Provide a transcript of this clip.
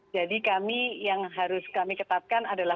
jadi kami yang harus kami ketatkan adalah